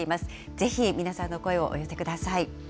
ぜひ皆さんの声をお寄せください。